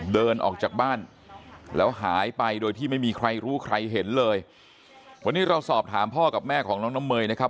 เดินออกจากบ้านแล้วหายไปโดยที่ไม่มีใครรู้ใครเห็นเลยวันนี้เราสอบถามพ่อกับแม่ของน้องน้ำเมยนะครับ